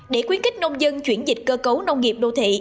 để quyến kích nông dân chuyển dịch cơ cấu nông nghiệp đô thị